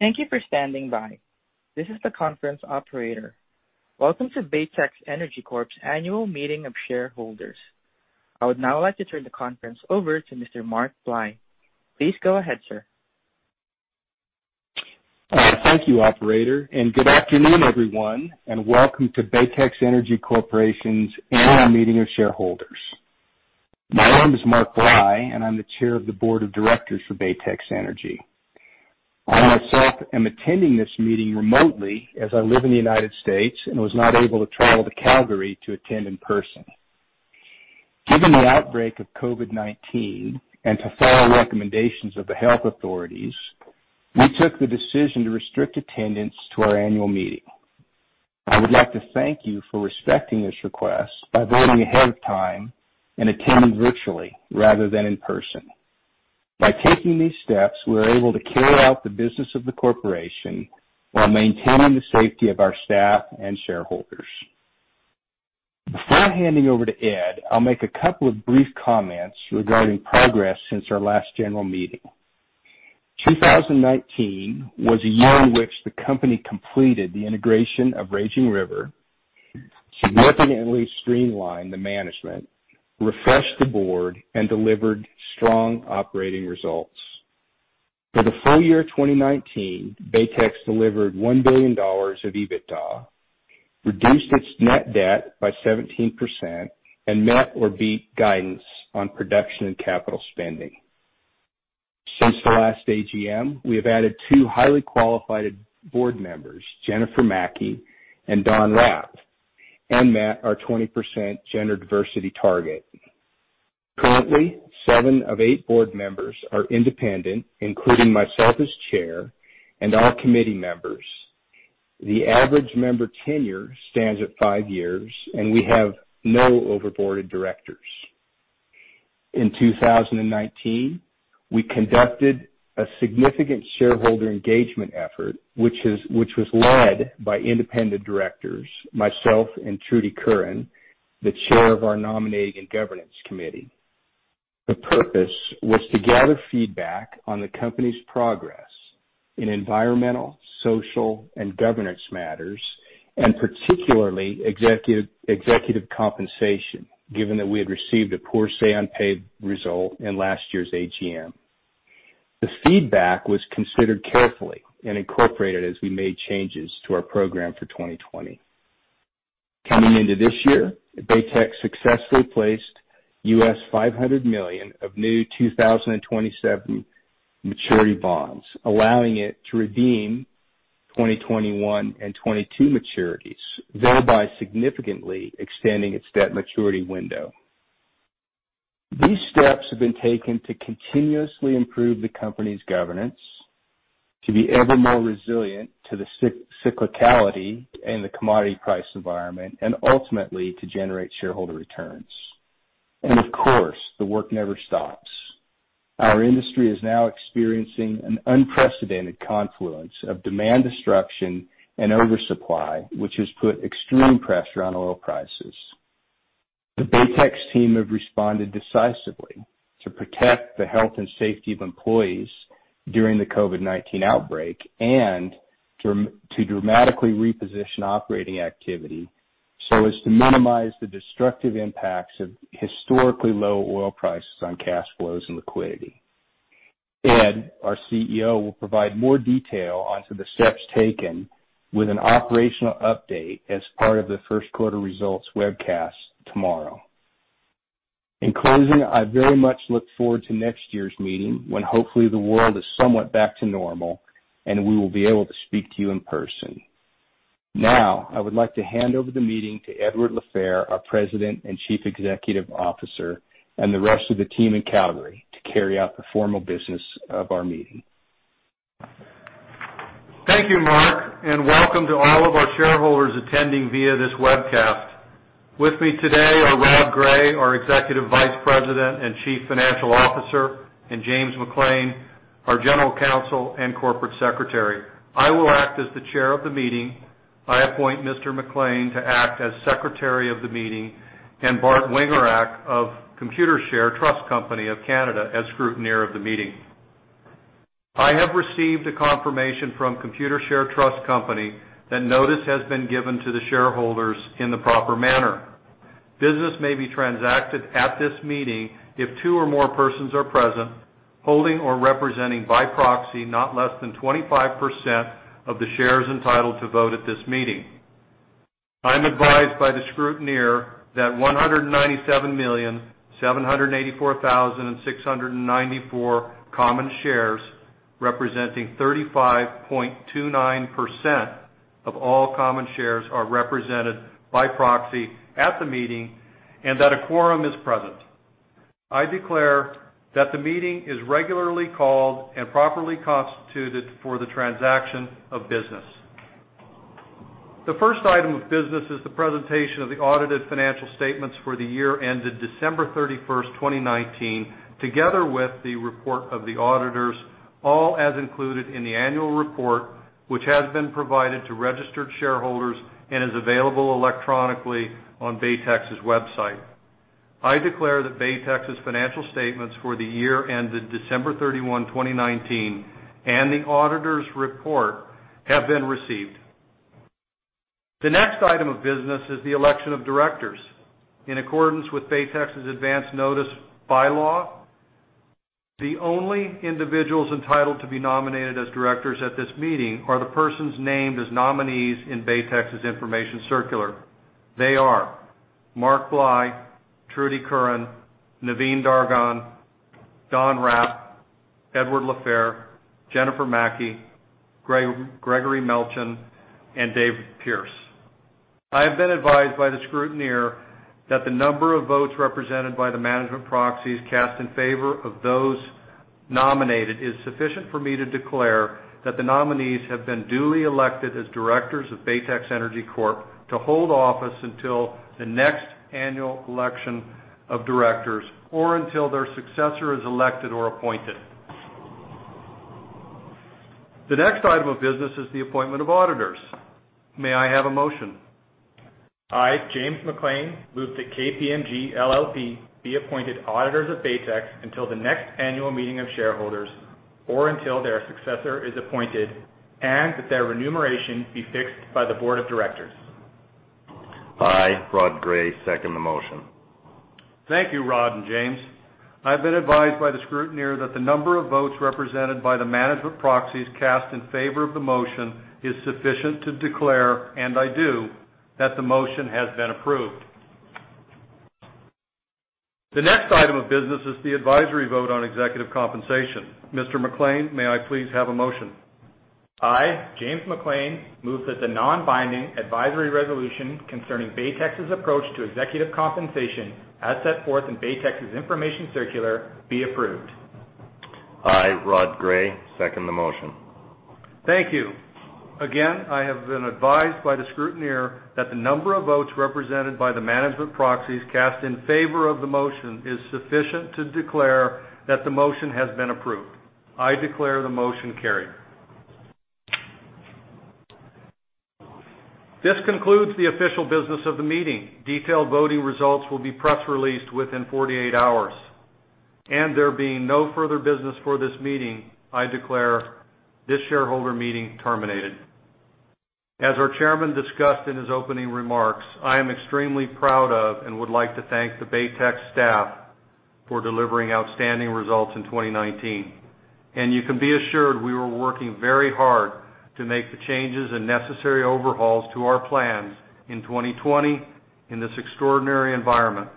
Thank you for standing by. This is the conference operator. Welcome to Baytex Energy Corp's annual meeting of shareholders. I would now like to turn the conference over to Mr. Mark Bly. Please go ahead, sir. Thank you, operator, and good afternoon, everyone, and welcome to Baytex Energy Corporation's annual meeting of shareholders. My name is Mark Bly, and I'm the Chair of the Board of Directors for Baytex Energy. I myself am attending this meeting remotely as I live in the United States and was not able to travel to Calgary to attend in person. Given the outbreak of COVID-19 and to follow recommendations of the health authorities, we took the decision to restrict attendance to our annual meeting. I would like to thank you for respecting this request by voting ahead of time and attending virtually rather than in person. By taking these steps, we're able to carry out the business of the corporation while maintaining the safety of our staff and shareholders. Before handing over to Ed, I'll make a couple of brief comments regarding progress since our last general meeting. 2019 was a year in which the company completed the integration of Raging River, significantly streamlined the management, refreshed the board, and delivered strong operating results. For the full year of 2019, Baytex delivered $1 billion of EBITDA, reduced its net debt by 17%, and met or beat guidance on production and capital spending. Since the last AGM, we have added two highly qualified board members, Jennifer Maki and Don Hrap, and met our 20% gender diversity target. Currently, seven of eight board members are independent, including myself as chair and all committee members. The average member tenure stands at five years, and we have no overboarded directors. In 2019, we conducted a significant shareholder engagement effort, which was led by independent directors, myself and Trudy Curran, the chair of our Nominating and Governance Committee. The purpose was to gather feedback on the company's progress in environmental, social, and governance matters, and particularly executive compensation, given that we had received a poor say on pay result in last year's AGM. The feedback was considered carefully and incorporated as we made changes to our program for 2020. Coming into this year, Baytex successfully placed $500 million of new 2027 maturity bonds, allowing it to redeem 2021 and 2022 maturities, thereby significantly extending its debt maturity window. These steps have been taken to continuously improve the company's governance, to be ever more resilient to the cyclicality in the commodity price environment, and ultimately to generate shareholder returns, and of course, the work never stops. Our industry is now experiencing an unprecedented confluence of demand destruction and oversupply, which has put extreme pressure on oil prices. The Baytex team has responded decisively to protect the health and safety of employees during the COVID-19 outbreak and to dramatically reposition operating activity so as to minimize the destructive impacts of historically low oil prices on cash flows and liquidity. Ed, our CEO, will provide more detail onto the steps taken with an operational update as part of the first quarter results webcast tomorrow. In closing, I very much look forward to next year's meeting when hopefully the world is somewhat back to normal and we will be able to speak to you in person. Now, I would like to hand over the meeting to Edward LaFehr, our President and Chief Executive Officer, and the rest of the team in Calgary to carry out the formal business of our meeting. Thank you, Mark, and welcome to all of our shareholders attending via this webcast. With me today are Rod Gray, our Executive Vice President and Chief Financial Officer, and James Maclean, our General Counsel and Corporate Secretary. I will act as the chair of the meeting. I appoint Mr. Maclean to act as secretary of the meeting and Bart Wingerak of Computershare Trust Company of Canada as scrutineer of the meeting. I have received a confirmation from Computershare Trust Company that notice has been given to the shareholders in the proper manner. Business may be transacted at this meeting if two or more persons are present, holding or representing by proxy not less than 25% of the shares entitled to vote at this meeting. I'm advised by the scrutineer that 197,784,694 common shares representing 35.29% of all common shares are represented by proxy at the meeting and that a quorum is present. I declare that the meeting is regularly called and properly constituted for the transaction of business. The first item of business is the presentation of the audited financial statements for the year ended December 31st, 2019, together with the report of the auditors, all as included in the annual report, which has been provided to registered shareholders and is available electronically on Baytex's website. I declare that Baytex's financial statements for the year ended December 31, 2019, and the auditor's report have been received. The next item of business is the election of directors. In accordance with Baytex's advance notice bylaw, the only individuals entitled to be nominated as directors at this meeting are the persons named as nominees in Baytex's information circular. They are Mark Bly, Trudy Curran, Naveen Dargan, Don Hrap, Edward LaFehr, Jennifer Maki, Gregory Melchin, and David Pearce. I have been advised by the scrutineer that the number of votes represented by the management proxies cast in favor of those nominated is sufficient for me to declare that the nominees have been duly elected as directors of Baytex Energy Corp to hold office until the next annual election of directors or until their successor is elected or appointed. The next item of business is the appointment of auditors. May I have a motion? I, James Maclean, move that KPMG LLP be appointed auditors of Baytex until the next annual meeting of shareholders or until their successor is appointed and that their remuneration be fixed by the board of directors. I, Rod Gray, second the motion. Thank you, Rod and James. I've been advised by the scrutineer that the number of votes represented by the management proxies cast in favor of the motion is sufficient to declare, and I do, that the motion has been approved. The next item of business is the advisory vote on executive compensation. Mr. Maclean, may I please have a motion? I, James Maclean, move that the non-binding advisory resolution concerning Baytex's approach to executive compensation as set forth in Baytex's information circular be approved. I, Rod Gray, second the motion. Thank you. Again, I have been advised by the scrutineer that the number of votes represented by the management proxies cast in favor of the motion is sufficient to declare that the motion has been approved. I declare the motion carried. This concludes the official business of the meeting. Detailed voting results will be press released within 48 hours. And there being no further business for this meeting, I declare this shareholder meeting terminated. As our chairman discussed in his opening remarks, I am extremely proud of and would like to thank the Baytex staff for delivering outstanding results in 2019. And you can be assured we were working very hard to make the changes and necessary overhauls to our plans in 2020 in this extraordinary environment.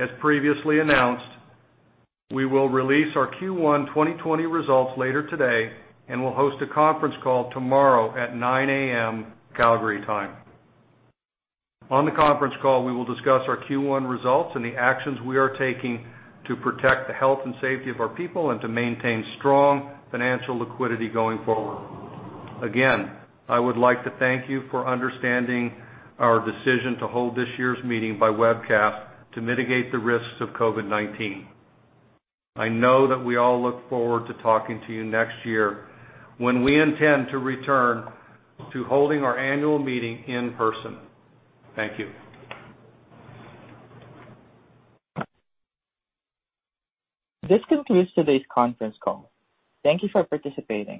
As previously announced, we will release our Q1 2020 results later today and will host a conference call tomorrow at 9:00 A.M. Calgary time. On the conference call, we will discuss our Q1 results and the actions we are taking to protect the health and safety of our people and to maintain strong financial liquidity going forward. Again, I would like to thank you for understanding our decision to hold this year's meeting by webcast to mitigate the risks of COVID-19. I know that we all look forward to talking to you next year when we intend to return to holding our annual meeting in person. Thank you. This concludes today's conference call. Thank you for participating.